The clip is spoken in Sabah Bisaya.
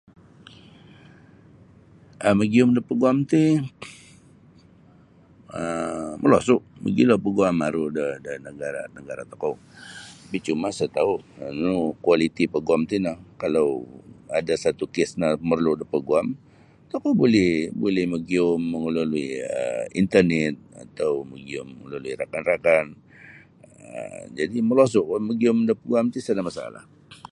um magiyum da paguam ti um molosu' mogilo paguam aru da da nagara' nagara' tokou tapi' cuma isa tau' nunu kualiti paguam tino kalau ada satu kes no momorlu da paguam tokou buli buli magiyum melalui um internet atau magiyum melalui rakan-rakan um jadi' molosu' magiyum da paguam ti sada masalah.